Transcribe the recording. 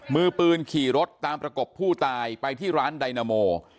มือปืนขี่รถตามประกบผู้ตายไปที่ร้านไดนาโม